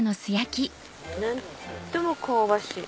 何とも香ばしい。